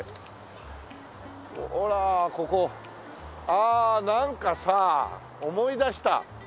ほらここああなんかさ思い出した。